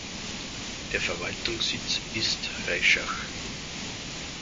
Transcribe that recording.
Der Verwaltungssitz ist Reischach.